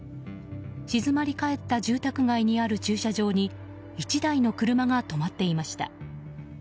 静まり返った住宅街にある駐車場に１台の車が止まっていました。